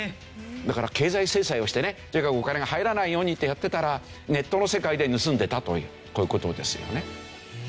だから経済制裁をしてねとにかくお金が入らないようにってやってたらネットの世界で盗んでたというこういう事ですよね。